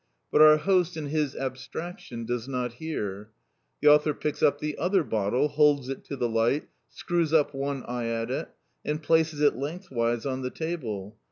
But our host, in his abstraction, does not hear. The author picks up the other bottle, holds it to the light, screws up one eye at it, and places it lengthwise on the table.